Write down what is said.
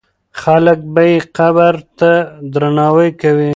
خلک به یې قبر ته درناوی کوي.